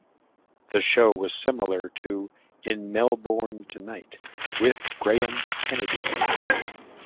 The show was similar to "In Melbourne Tonight" with Graham Kennedy.